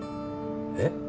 えっ？